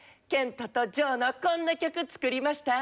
謙杜とジョーの「こんな曲作りました」。